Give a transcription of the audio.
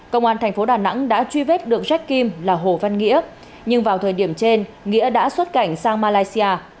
công an thành phố đà nẵng đã truy vết được jack kim là hồ văn nghĩa nhưng vào thời điểm trên nghĩa đã xuất cảnh sang malaysia